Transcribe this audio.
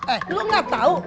eh lu gak tau